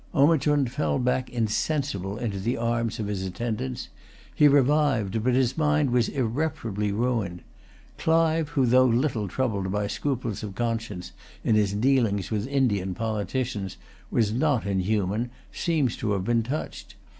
Omichund fell back insensible into the arms of his attendants. He revived; but his mind was irreparably ruined. Clive, who, though little troubled by scruples of conscience in his dealings with Indian politicians, was not inhuman, seems to have been touched.